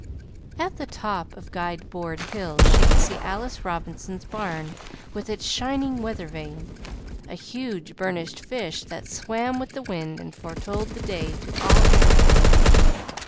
At the top of Guide Board hill she could see Alice Robinson's barn with its shining weather vane, a huge burnished fish that swam with the wind and foretold the day to all Riverboro.